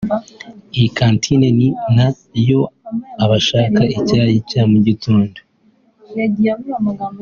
Iyi kantine ni na yo abashaka icyayi cya mu gitondo